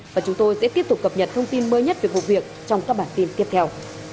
và chúng tôi sẽ tiếp tục cập nhật thông tin mới nhất về vụ việc trong các bản tin tiếp theo